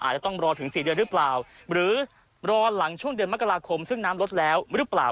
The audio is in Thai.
อาจจะต้องรอถึง๔เดือนหรือเปล่าหรือรอหลังช่วงเดือนมกราคมซึ่งน้ำลดแล้วหรือเปล่า